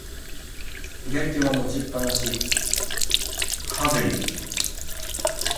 左手は持ちっぱなし、ファズリウ。